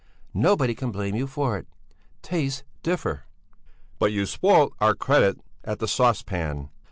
Nobody can blame you for it. Tastes differ!" "But you spoilt our credit at the 'Sauce Pan.'